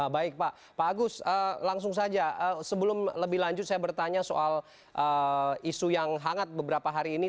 baik pak agus langsung saja sebelum lebih lanjut saya bertanya soal isu yang hangat beberapa hari ini